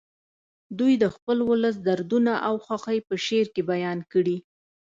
دوی د خپل ولس دردونه او خوښۍ په شعر کې بیان کړي